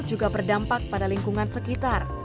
juga berdampak pada lingkungan sekitar